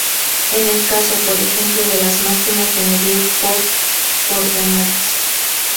Es el caso, por ejemplo, de las máquinas de medir por coordenadas.